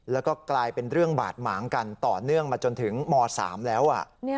แล้วก็กลายเป็นเรื่องบาดหมางกันต่อเนื่องมาจนถึงม๓แล้ว